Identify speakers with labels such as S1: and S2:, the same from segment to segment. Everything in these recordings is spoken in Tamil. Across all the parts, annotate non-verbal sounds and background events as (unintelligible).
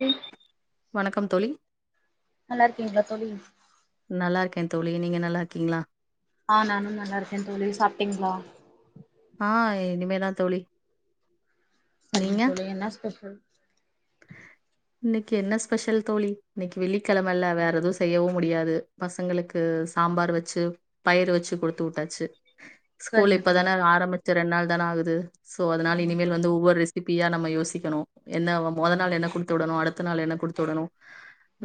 S1: நல்லா
S2: வணக்கம் தோழி
S1: நல்லாருக்கிங்ளா தோழி
S2: நல்லாருக்கே தோழி நீங்க நல்லாருக்கிங்ளா
S1: ஆ நானு நல்லாருக்கே தோழி சாப்ட்டிங்ளா
S2: ஆ இனிமேதா தோழி
S1: சரிங்க
S2: நீங்க
S1: தோழி என்ன ஸ்பெஷல்
S2: இன்னைக்கு என்ன ஸ்பெஷல் தோழி இன்னைக்கு வெள்ளிக்கிழமல்ல வேற எது செய்யவு முடியாது பசங்களுக்கு சாம்பார் வெச்சு பயரு வெச்சு குடுத்துவுட்டாச்சு ஸ்கூல்
S1: சரிங்க தோழி
S2: இப்பதான ஆரம் ரெண் நாள் தான ஆகுது சோ அதுனால
S1: ஆமா
S2: இனிமேல்
S1: தோழி
S2: வந்து ஒவ்வொரு ரெசிபியா நம்ம யோசிக்கணு என்ன அவ மொத நாள் என்ன குடுத்துடணு அடுத் த நாள் என்ன குடுத்துடணு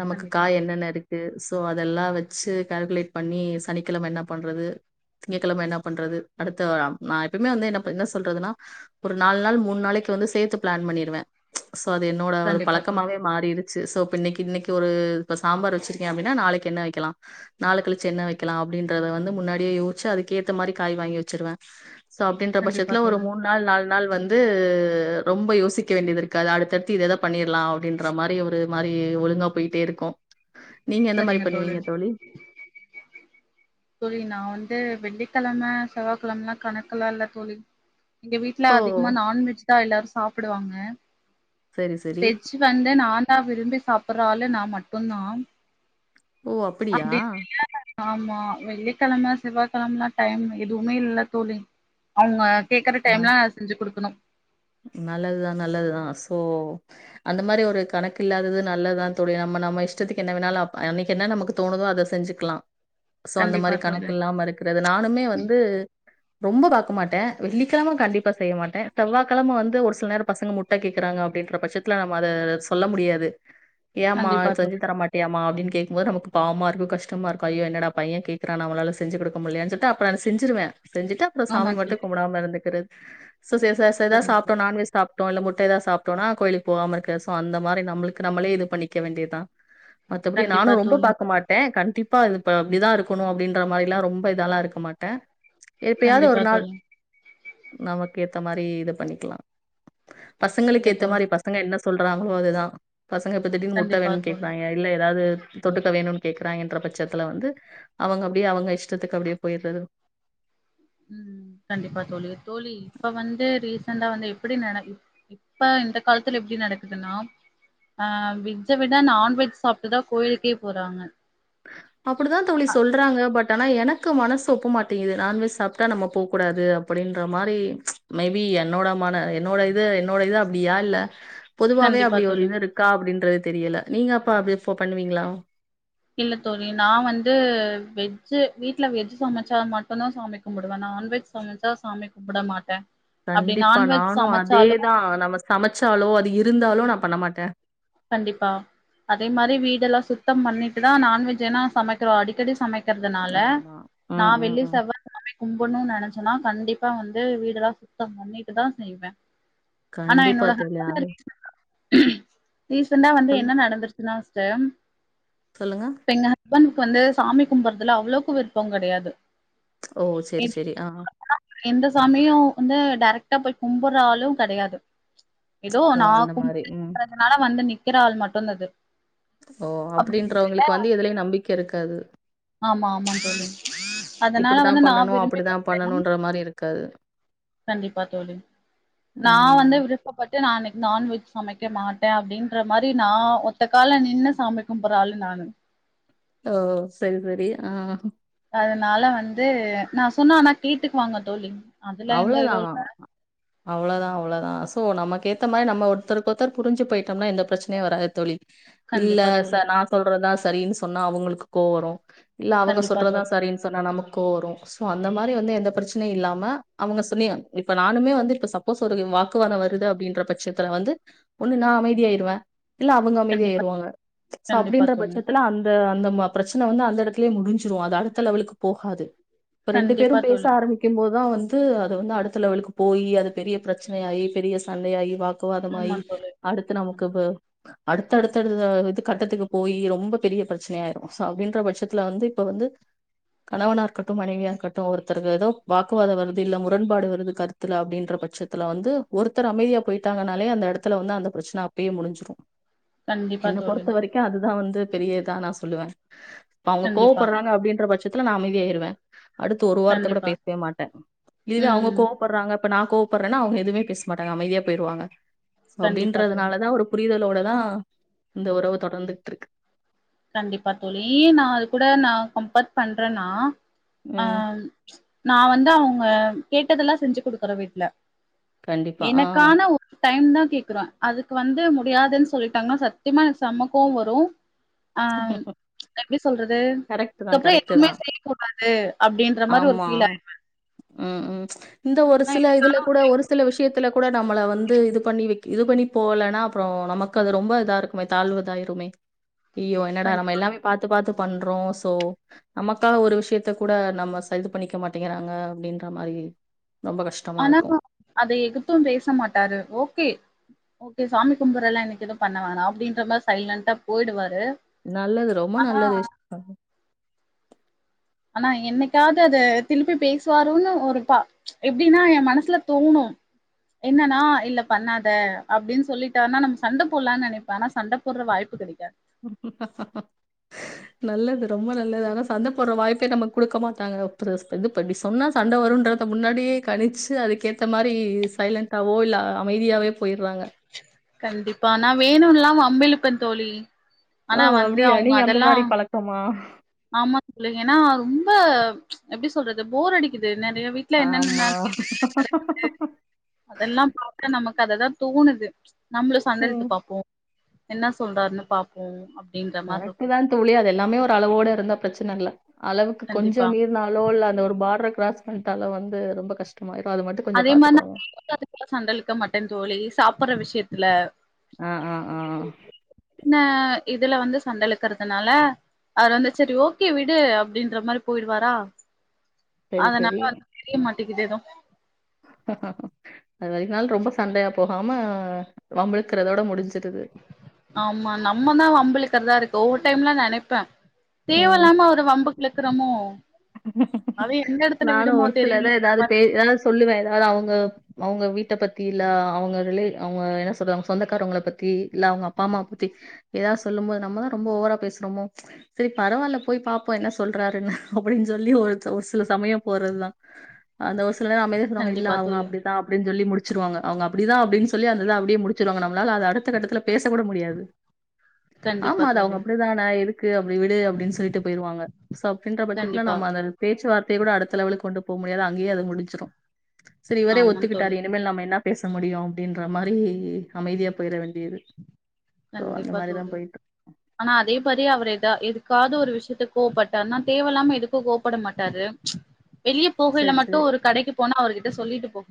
S2: நமக்கு
S1: கண்டிப்பா
S2: காய்
S1: தோழி
S2: என்னென்ன இருக்கு சோ அதெலா வெச்சு கால்குலேட் பண்ணி சனிக்கெழம என்ன பண்றது திங்ககெழம என்ன பண்றது அடுத்த அ நா எப்பமே வந்து என்ன என்ன சொல்றதுனா ஒரு நாலு நாள் மூணு நாளைக்கு வந்து சேத்து பிளேன் பண்ணிருவ ஸோ அது என்னோட ஒரு
S1: கண்டிப்பா தோழி
S2: பழக்கமாவே மாறிரு சு சோ இப்ப இன்னைக்கு இன்னைக்கு ஒரு இப்ப சாம்பார் வச்சிருக்கே அப்டினா நாளைக்கு என்ன வெக்கலா நாளக்கழிச்சு என்ன வெக்கலா அப்டின்றத வந்து முன்னாடியே யோசிச்சு அதுக்கேத்த மாரி காய் வாங்கி வெச்சுருவே சோ அப்டின்ற
S1: கண்டிப்பா
S2: பட்சத்துல ஒரு
S1: தோழி
S2: மூண் நாள் நாலு நாள் வந்து ரொம்ப யோசிக்க வேண்டியதிருக்காது அடுத்தடுத்து இத இத பண்ணிர்லா அப்டின்ற மாரி ஒரு மாரி ஒழுங்கா போய்ட்டே இருக்கு நீங்க எந்த மாரி பண்ணுவிங்க தோழி
S1: தோழி நா வந்து வெள்ளிக்கெழம செவ்வாகெழமெலா கணக்குலா இல்ல தோழி எங்க வீட்ல
S2: ஓ
S1: அதிகமா நான்வெஜ் தா எல்லாரு சாப்டுவாங்க
S2: சரி சரி
S1: வெஜ் வந்து நாந்தா விரும்பி சாப் ஒராளு நா மட்டுந்தா
S2: ஓ அப்பிடியா
S1: அப்டி ஆமா வெள்ளிக்கெழம செவ்வாகெழம்லா டைம் எதுவுமே இல்ல தோழி அவ்ங்க கேக்கற
S2: நல்
S1: டைம்லா செஞ்சு குடுக்கணு
S2: நல்லதுதா நல்லதுதா சோ அந்த மாரி ஒரு கணக்கு இல்லாதது நல்லதுதா தோழி நம்ம நம்ம இஷ்டத்துக்கு என்ன வேணாலு அப் அன்னைக்கு என்ன நமக்கு தோணுதோ அத செஞ்சுக்லா சோ அந்த
S1: கண்டிப்பா
S2: மாரி
S1: தோழி
S2: கணக்கில்லாம இருக்கறது நானுமே வந்து ரொம்ப பாக்க மாட்டே வெள்ளிக்கெழம கண்டிப்பா செய்ய மாட்டே செவ்வா க்கெழம வந்து ஒரு சில நேர பசங்க முட்ட கேக்குறாங்க அப்டின்ற பட்சத்துல நம்ம அத சொல்ல முடியாது ஏமா
S1: கண்டிப்பா
S2: செஞ்சு
S1: தோழி
S2: தரமாட்டியாமா அப்டின் கேக்கும் போது நமக்கு பாவமாருக்கு கஷ்டமாருக்கு ஐயயோ என்னடா பைய கேக்குறா நம்மளால செஞ்சு குடுக்க முட்லயேன் சொல்ட்டு அப்ற அத செஞ்சுருவ செஞ்சுட்டு அப்பற
S1: ஆமா
S2: சாமி மட்டு
S1: தோழி
S2: கும்புடாம இருந்துகிறது சோ சே சாஸ் இப்பதா
S1: சரிங்க
S2: சாப்ட்டோ
S1: தோழி
S2: நான்வெஜ் சாப் டோ முட்டைலா சாப்ட்டோனா கோயிலுக்கு போகாம இருக்கிற சோ அந்த மாரி நம்மளுக்கு நம்மளே இது பண்ணிக்க வேண்டியதா மத்தபடி
S1: கண்டிப்பா
S2: நானு ரொம்ப
S1: தோழி
S2: பாக்க மாட்டே கண் டிப்பா இது இப்ப இப்டிதா இருக்கணு அப்டின்ற மாரில்லா ரொம்ப இதால்லா இருக்க மாட்ட எப்பயாது
S1: கண்டிப்பா
S2: ஒரு நாள்
S1: தோழி
S2: நமக்கேத்த மாரி இது பண்ணிக்கலா
S1: இல்ல
S2: பசங்களுக்கேத்த
S1: தோழி
S2: மாரி பசங்க என்ன சொல்றாங்கலோ அதுதா பசங்க இப்ப திடீர்னு முட்ட
S1: கண்டிப்பா
S2: வேணும்னு
S1: தோழி
S2: கேக்குறாங்கெ இல்ல ஏதாவது தொட்டுக்க வேணுன்னு கேக்குறாங்கென்ற பட்சத்துல வந்து அவங்க அப்டியே அவங்க இஷ்டத்துக்கு அப்டியே போயிறது
S1: உம் கண்டிப்பா தோழி. தோழி இப்ப வந்து ரீசெண்ட்டா வந்து எப்டி நடக்குது இப்ப இந்த காலத்துல எப்டி நடக்குதுன்னா ஆஹ் வெஜ்ஜ விட நான்வெஜ் சாப்ட்டுதா கோயிலுக்கே போறாங்க.
S2: அப்டிதா தோழி
S1: அ,
S2: சொல்றாங்க பட் பட் ஆனா எனக்கு மனசு ஒப்பமாட்டேங்கிது. நான்வெஜ் சாப்ட்டா நம்ம போக்கூடாது அப்டின்ற மாரி மேபி என்னோட மன என்னோட இது என்னோட இது அப்டியா இல்ல பொதுவாவே
S1: கண்டிப்பா
S2: அப்டி ஒரு
S1: தோழி
S2: இது இருக்கா அப்டின்றது தெரியல. நீங்க அப்ப அப்டி இப்ப பண்ணுவீங்ளா?
S1: இல்ல தோழி நா வந்து வெஜ்ஜு வீட்டுல வெஜ் சமச்சா மட்டுந்தா சாமி கும்முடுவே நா. நான்வெஜ் சமச்சா சாமி கும்புட மாட்டே. அப்டி
S2: கண்டிப்பா
S1: நான்வெஜ்
S2: நானு
S1: சமைச்சாலு
S2: அதேதா நம்ம சமச்சாலோ அது இரு இருந்தாலும் நா பண்ண மாட்டே.
S1: கண்டிப்பா, அதே மாரி வீடெல்லா சுத்தம் பண்ணிட்டுதா நான்வெஜ்ன்னா சமக்கிறோ அடிக்கடி சமைக் இருக்கிறதனால
S2: ஆமா
S1: நா
S2: ம் ம்
S1: வெள்ளி,
S2: ம்
S1: செவ்வானாவே கும்புடுன்னு நெனச்சி ன்னா கண்டிப்பா வந்து வீடு எல்லா சுத்தம் பண்ணிட்டுதா செய்வே. ஆனா
S2: கண்டிப்பா
S1: என்னோட
S2: தோழி அது
S1: ரீசண்ட்டா வந்து
S2: சொல்லு
S1: என்ன நடந்துருச்சுன்னா தயம்
S2: சொல்லுங்க
S1: ஹஸ்பெண்ட்க்கு வந்து சாமி கும்புட்றதுல அவ்ளவுக்கு விருப்பம் கெடயாது.
S2: ஓ செரி செரி ஆஹ்
S1: எந்த சாமியு வந்து டைரக்டா போய் கும்புட்ற ஆளு கெடையாது. எதோ
S2: ஓ
S1: நா
S2: அந்த மாரி
S1: கும்புட்டு
S2: ம்
S1: இருக்கறதுன்னால வந்து நிக்கிற ஆள் மட்டுந்தது
S2: ஓ அப்டின்றவங்களுக்கு வந்து எதுலயு நம்பிக்கை இருக்காது.
S1: ஆமா ஆமா தோழி. அதனால
S2: இப்டித்தா
S1: வந்து நா
S2: பண்ணணு
S1: விரும்பி
S2: அப்டித்தா
S1: கும்ட்டேன்னா
S2: பண்ணணுன்ற மாரி இருக்காது
S1: கண்டிப்பா தோழி. நா
S2: ம்
S1: வந்து விருப்பப்பட் நா அன்னைக் நான்வெஜ் சமைக்க மாட்டே அப்டின் ற மாரி நா ஒத்த கால நின்னு சாமி கும்பர்ற ஆளு நானு
S2: ஓ செரி செரி ஆ
S1: அதனால வந்து நா சொன்னா ஆனா கேட்டுக்குவாங்க தோழி அதுல எந்த
S2: அவ்ளதா
S1: இதுவு இல்ல
S2: அவ்ளதா அவ்ளதா ஸோ நமக்கேத்த மாரி நம்ம ஒருத்தருக்கொருத்தர் புரிஞ்சு போயிட்டம்னா எந்த பிரச்சனையு வராது தோழி இல்ல
S1: கண்டிப்பா
S2: ச
S1: தோழி
S2: நா சொல்றதா சரின்னு சொன்னா அவங்களுக்கு கோ வரு இல்ல அவங்க
S1: கண்டிப்பா
S2: சொல்றதா
S1: தோழி
S2: சரின்னு சொன்னா நமக்கு கோ வரு சோ அந்த மாரி வந்து எந்த பிரச்சனையு இல்லாம அவங்க சொன்னிய இப்ப நானுமே வந்து இப்ப சப்போஸ் ஒரு வாக்குவாத வருது அப்படின்ற பட்சத்துல வந்து ஒன்னு நா அமைதியாயிருவ இல்ல அவுங்க
S1: கண்டிப்பா
S2: அமைதியாயிருவாங்க சோ
S1: கண்டிப்பா
S2: அப்டின்ற
S1: தோழி
S2: பட்சத்துல அந்த அந்த பிரச்ச சண்ட வந்து அந்த எடத்துலயே முடிஞ்சுரு அது அடுத்த லெவலுக்கு போகாது இப்ப ரெண்டு பேரு
S1: கண்டிப்பா
S2: பேச
S1: தோழி
S2: ஆரம்பிக்கு போதுதா வந் அது வந்து அடுத்த லெவலுக்கு போய்யி அது பெரிய பிரச்சனயாயி பெரிய சண்டயாயி வா வாக்குவாதமாயி
S1: ஆமா தோழி
S2: அடுத்து
S1: ஆமா
S2: நமக்கு ப
S1: தோழி
S2: அடுத்தடுத்தது அடுத்த கட்டத்துக்கு போய் ரொம்ப பெரிய பிரச்சனயாயிரு சோ அப்டின்ற பட்சத்துல வந்து இப்ப வந்து கணவனா இருக்கட்டு மனைவியா இருக்கட்டு ஒருத்தர்க்கு ஏதோ வாக்குவாத இல்ல முரண்பாடு வருது கருத்துல அப்டின்ற பட்சத்துல வந்து ஒருத்தர் அமைதியா போயிட்டாங்கனாலே அந்த எடத்துல வந்து அந்த பிரச்சன அப்பயே முடிஞ்சுறு
S1: கண்டிப்பா
S2: என்ன
S1: தோழி
S2: பொறுத்த வரைக்கு அதுதா வந் து பெரியதா நா சொல்லுவே இப்ப அவுங்க
S1: கண்டிப்பா
S2: கோவப்படுறாங்க அப்டின்ற பட்ச எடத்ல நா அமைதியாயிறுவே அடுத்து ஒரு வார்த்த கூட
S1: கண்டிப்பா.
S2: பே வே மாட்டே இதுவே அவுங்க
S1: ம்.
S2: கோவப்படுறாங்க அப்ப நா கோவப்பட்றேனா அவுங்க எதுமே பேச மாட்டாங்க அமைதியா போயிருவாங்க சோ
S1: கண்டிப்பா தோழி.
S2: அப்டின்றதுனாலதா ஒரு புதல் புரிதலோடதா இந்த ஒறவு தொடர்ந்துட்ருக்கு
S1: கண்டிப்பா தோழி ஏ நா அது கூட நா கம்பர் பண்றேனா
S2: ம்.
S1: ஆஹ் ம்ச் நா வந்து அவுங்க கேட்டதெல்லா செஞ்சு கொடுக்றே வீட்ல
S2: கண்டிப்பா. ஆ.
S1: எனக்கான ஒ டைம் தான் கேக்குறோ அதுக்கு வந்து முடியாதுன் சொல்லிட்டாங்கன்னா சத்தியமா எனக் செம கோவ வரு ஆஹ் ம்ச் எப்டி சொல்றது
S2: கரெக்ட்டு தான்,
S1: அதுக்கப்றோ
S2: கரெக்ட்டு
S1: எதுமே
S2: தான்.
S1: செய்ய கூடாது அஹ்
S2: ஆமா உம் உம் இந்த ஒரு சில இதுல கூட ஒரு சில விஷயத்துல கூட நம்மள வந்து இது பண்ணி வெக் இது பண்ணி போலனா அப்புறோ நமக்கு அது ரொம்ப இதா இருக்குமே தாழ்வுதாயிறுமே அய்யோ என்னடா நம்ம எல்லாமே பாத்து பாத் பண்றோ சோ நமக்காக ஒரு விஷயத்த கூட நம்ம ச இது பண்ணிக்க மாட்டேங்கிறாங்க அப்டின்ற மாரி ரொம்ப கஷ்டமா
S1: ஆனா
S2: இருக்கும்.
S1: அ அத எதுத்து பேச மாட்டாரு ஓகே ஓகே சாமி கும்புறல்ல இன்னக்கி எது பண்ண வோணா அப்டின்றதுல சைலண்டா போயிடுவாரு
S2: நல்லது ரொம்ப நல்லது (unintelligible)
S1: ஆனா என்னைக்காது அது திலுப்பி பேசுவாரோன்னு ஒரு பா எப்டின்னா எ மனசுல தோணு என்னன்னா இல்ல பண்ணாத அப்டின் சொல்லிட்டார்ன்னா நம் சண்ட போட்லான் நெனைப்பே ஆனா சண்ட போட்ற வாய்ப்பு கெடைக்காது
S2: நல்லது ரொம்ப நல்லது ஆனா சந்த போற வாய்ப்பே நம்ம குடுக்க மாட்டாங்க (unintelligible) இது படி சொன்னா சண்ட வருன்றத முன்னாடியே கணிச்சு அதுக்கேத்த மாரி சைலண்டாவோ இல்ல அமைதியாவே போயிர்றாங்க.
S1: கண்டிப்பா நா வேணுன்ல்லா வ ம்பிழுப்ப தோழி ஆனா
S2: ஓ
S1: வந்து
S2: அப்டியா
S1: அவங்க
S2: நீங்க அந்த
S1: அதெல்லா
S2: மாரி பழக்கமா
S1: ஆமா தோழி என்னா ரொம்ப எப்டி சொல்றது போர் அடிக்கி து நெறைய வீட்ல என்னென்ன
S2: ஆமா.
S1: நாள் (inaudible) அதெல்லாம் பாத்தா நமக் கத தா தோணுது நம்மளு சண்டெழுத்து
S2: ம்.
S1: பாப்போ என்ன சொல்றார்ன்னு பாப்போ அப்
S2: கரெட்டு தா தோழி அதெல்லாமே ஒரு அளவோடருந்தாப் ப்ரச்சனல்ல அளவுக்கு
S1: கண்டிப்பா
S2: கொஞ்சம் மீருனாலோல்ல அந்த ஒரு பாட்ற க்ராஸ் பண்ட்டாலு வந்து ரொம்ப கஷ்டமாயுரூ
S1: அதே மார் நா (inaudible) சண்டலுக்க மாட்டேன் தோழி சாப்புட்ற விஷ் யத்துல
S2: ஆ ஆ ஆ
S1: ன இதுல வந்து சண்டழுக்குறதுனால அவர் வந்து செரி ஓகே விடு அப்டின்ற மாரி போயிடுவாரா
S2: சரி,
S1: அதனால
S2: சரி.
S1: வந்து தெரிய மாட் டிக்கிது எதொ
S2: அது வரைக்குனால் ரொம்ப சண்டையா போகாம வம்பிழுக்கறதோட முடுஞ்
S1: ஆமா நம்மதா வம்புளுக்குறதாருக் தோ டைம்லா நெனைப்பே தேவல்லாம அவர வம்புக் ளுக்குறமோ
S2: நானு ஒருத்துல எத
S1: தெரியலன்ற
S2: எதாது பே
S1: மாரி
S2: எதாது சொல்லுவே ஏதாது அவுங்க அவுங்க வீட்ட பத் தி இல்ல அவுங்க ரிலே அவுங்க என்ன சொல்ற அவுங்க சொந்தக்காரவ்ங்கள பத்தி இல்ல அவுங்க அப்பா அம்மா பத்தி எதாது சொல்லும் போது நம்மதா ரொம்ப ஓவரா பேசுறோமோ செரி பரவால்ல போய் பாப்போ என்ன சொல்றாருன்னு அப் புடின் சொல்லி ஒர்த ஒர் சில சமயம் போறதுதா அந்த ஒ சில நேரொ அமைதியா சொல்வாங்க இல்ல
S1: கண்டிப்பா
S2: அவுங்க
S1: தோழி
S2: அப்டித்தா அப்டின் சொல்லி முடுச் ச்சிருவாங்க அவுங்க அப்டிதா அப்டின் சொல்லி அந்தத அப்டியே முடுச்சுர்வாங்க நம்ளால அத அடுத்த கட்டத்துல பேச கூட முடியாது
S1: கண்டிப்பா
S2: ஆமாது அவுங்க
S1: தோழி
S2: அப்டிதான இரு க்கு அப்டி விடு அப்டின் சொல்லிட்டு போயிருவாங்க (unintelligible) இதுக்குலா
S1: கண்டிப்பா
S2: நம்மந்த பேச்சுவார்த்தய கூட அடுத்த லெவலுக் கொண்டுப் போ முடியாது அங்கயே அது முடிஞ்சு செரி இவரே
S1: ஆமா
S2: ஒத்துக்கிட்டாரு
S1: தோழி
S2: இனிமேல் நம்ம என்ன பேச முடியு அப்டின்ற மாரி அமைதியா போயிர வேண்டியது சோ அந்த
S1: கண்டிப்பா
S2: மாரி தான்
S1: தோழி
S2: போயிட்டு.
S1: ஆனா அதே மாிரி அவர் எதா எது காது ஒரு விஷயத்கு கோபட்டானா தேவலாம எதுகு கோபட மாட்டாரு ச்ச் வெளிய
S2: சரி,
S1: போகயில
S2: சரி.
S1: மட்டு ஒரு கடைகு போனா அவரு ட சொலிட்டு போ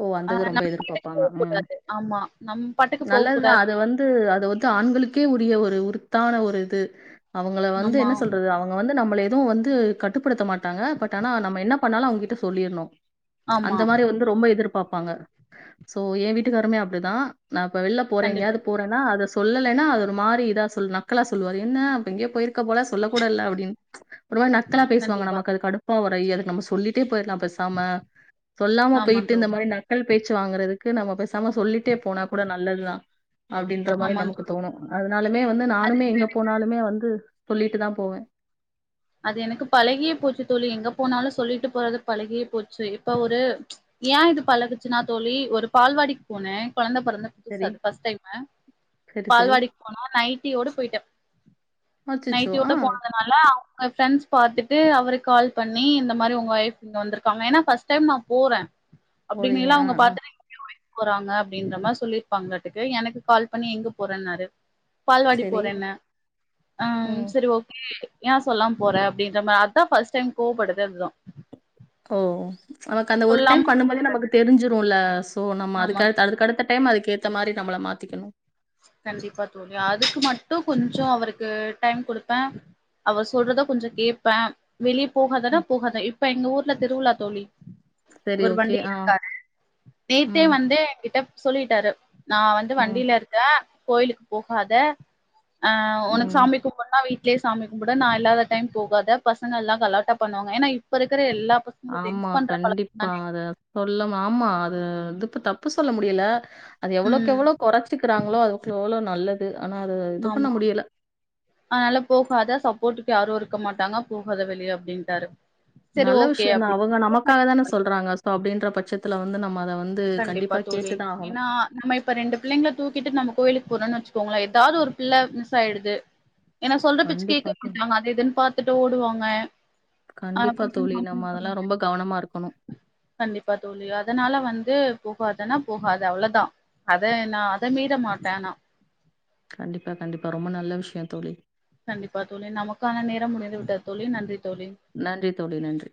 S2: ஓ வந்தது ரொம்ப எதுர்பாப்பாங்க
S1: போக
S2: உஹம்
S1: கூடாது ஆமா நம் பாட்டுக்கு போக
S2: நல்லதுதா
S1: கூடாது
S2: அது வந் து அது வந்து ஆண்களுகே உரிய ஒரு உருத்தான ஒரு இது அவங்கள வந்து
S1: ஆமா
S2: என்ன சொல்றது அவங்க வந்து நம்ள எதுவு வந்து கட்டுபடுத்த மாட்டாங்க பட் ஆனா நம்ம என்ன பண்ணாலு அவுங்கிட்ட சொல்லிரணு
S1: ஆமா
S2: அந்த மாரி வந்து ம்ப எதிர்பாபாங்க சோ எ வீட்டுகாருமே அப்டிதா நா இப்ப வெள்ல போற
S1: கண்டிப்பா
S2: எங்கயாது போறேனா அத சொ சொல்லைனா அது ஒரு மாரி இதா சொல் நக்களா சொல்வாரு என்ன அப்ப எங்யே போயிருக் க போல சொல்ல கூட அப்டின் ஒருமாரி நக்கலா பேசுவாங்
S1: கண்டிப்பா
S2: நமக் அது கடுப்பா வரு (unintelligible) அதுக் நம் சொல்லிடே போயிர்லா பேசாம சொலாம
S1: ஆமா
S2: போயி திந்த
S1: தோழி
S2: மாரி நக்கல் பேச் ச்சு வாங்கறதுகு நம பெஸ் நம சொல்லிடே போனா கூடா ல்லதா அப்டின்ற மாரி
S1: ஆமா
S2: நமகு
S1: தோழி
S2: தோணு அதனாலதே வந்து நானுமே எங்க போனாலுமே வந்து சொல்லிடுதா போவே
S1: அது எனகு பழகியே போச்சு தோழி எங்க போனாலு சொல்லிடு போறது பழகியே போச்சு இப்ப ஒரு ஏ இது பழகுசுனா தோழி ஒரு பால்வாடிக் போனே கொழந்த
S2: சரி,
S1: (unintelligible) ஃபஸ்ட் டைம்மு
S2: சரி, சரி.
S1: பால்வாடிக் போன நைடியோட போயிடே
S2: அச்சச்சோ!
S1: நைடியோட
S2: ஆ
S1: போனதுனால அவ (unintelligible) ஃப்ரெண்ட்ஸ் பாத்துட்டு அவருக் கால் பண்ணி இந்த மாரி உங்க ஒய்ஃப் இங்க வந்ருகாங்க ஏனா ஃபஸ்ட் டைம் நா போறே
S2: போறீங்க.
S1: அப்டினிலா
S2: ஆ,
S1: அவுங்க
S2: ஆ.
S1: பாத் (unintelligible) போறாங்க அப்டின்ற மாரி சொல்லிர்பாங்களாட்டுருக்கு எனக்கு கால் பண்ணி எங்க போறனாரு பால்வாடி
S2: சரி.
S1: போறேன ஆஹம்
S2: ம்.
S1: செரி ஓகே யாஸ் சொலாம் போற அப்டின்ற மாரி அதா ஃபஸ்ட் டைம் கோவபட்தே அதா
S2: ஓ எனக்கு அந்த ஒரு டைம் பண்ணுபோதே நமக்கு தெரிஞ்சுருல சோ நம்ம
S1: ஆமா
S2: அதுகு (unintelligible) அதுக்கு அடுத்த டைம் அது கேட் இந்த மாரி நம்மள மாத்திக்கணு
S1: கண்டிப்பா தோழி அதுக்கு மட்டு கொஞ்சொ அவருக்கு டைம் கொடுப்பே அவர் சொல்றத கொஞ்சொ கேப்பே வெளிய போகாதனா
S2: ம்.
S1: போகாத இப் இப்ப எங்க ஊர்ல திருவிழா தோழி
S2: சரி
S1: ஒரு
S2: ஓகே.
S1: வண்டிய
S2: ஆ.
S1: இருக்காரு நேத்தே
S2: ம்.
S1: வந்து எங்கிட்ட சொல்லிட்டாரு நா வந்து
S2: ம்.
S1: வண்டில ஹ கோயிலுக்கு போகாத ஆஹ் உனக்கு
S2: ம்.
S1: சாமி கும்பன்னா வை ட்லயே சாமி கும்புடு நா இல்லாத டைம் போகாத பசங்கெல்லாம் கலாட்டா பண்ணுவாங்க ஏனா இப்பருக்கிற எல்லா பசங்களு
S2: ஆமா
S1: ட்ரிங்க்ஸ் பண்ற பழக்கம்
S2: கண்டிப்பா
S1: தானே
S2: அத சொல்லும் ஆமா அது வந்து தப்பு சொல்ல முடியல அது
S1: ம்
S2: எவ்ளவுகெவ்ளோ கொறைச்சுகிறாங்களோ அதுக்கு எவ்ள நல்லது ஆனா அது இது பண்ண
S1: ஆமா
S2: முடியல
S1: யாரும் இருக்க மாட்டாங்க போகாத வெளிய அப்படின்டாரு
S2: நல்ல விஷயந்தா அவங்க நமக்காக தான சொல்றாங்க சோ அப்டின்ற பட்சத் துல வந்து நம்ம அத வந்து
S1: கண்டிப்பா தோழி
S2: கேட்டு தான் ஆகணும்.
S1: ஏன்னா நம்ம இப்ப ரெண்டு பிள்ளைங்கள தூக்கிட்டு நம்ம கோயிலுக் போனேன்னு வச்சுக்கோங்களே ஏதாவது ஒரு பிள்ள மிஸ் ஆயிடுது ஏன்னா சொல்ற பேச்சு
S2: கண்டிப்பா
S1: கேக்க
S2: தோழி.
S1: மாட்டாங்க. அது இதுன்னு பாத்துட்டு ஓடுவாங்க
S2: கண்டிப்பா தோழி. நம்ம அதெல்லாம் ரொம்ப கவனமா இருக்கணும்.
S1: (unintelligible) கண்டிப்பா தோழி அதனால வந் போகாதன்னா போகாத அவ்ளதா அத நா அத மீற மாட்டே நா
S2: கண்டிப்பா கண்டிப்பா ரொம்ப நல்ல விஷ்யொ தோழி
S1: கண்டிப்பா தோழி நமக்கான நேரம் முடிந்து விட்டது தோழி நன்றி தோழி
S2: நன்றி தோழி நன்றி